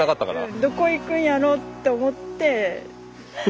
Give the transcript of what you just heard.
「どこ行くんやろ？」って思って。